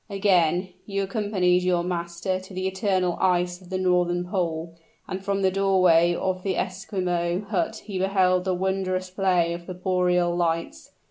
Again you accompanied your master to the eternal ice of the northern pole, and from the doorway of the Esquimaux hut he beheld the wondrous play of the boreal lights.